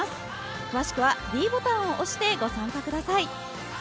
詳しくはｄボタンを押してご参加ください。